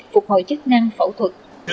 phục hồi chức năng phẫu thuật